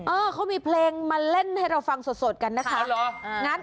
เออเขามีเพลงมาเล่นให้เราฟังสดสดกันนะคะเออหรออะ